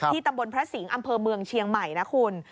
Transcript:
ตำบลพระสิงห์อำเภอเมืองเชียงใหม่นะคุณ